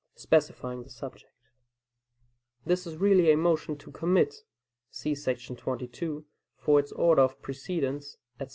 specifying the subject. This is really a motion to "commit" [see § 22 for its order of precedence, etc.